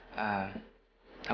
baik sh ash